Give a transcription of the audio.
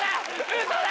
ウソだ！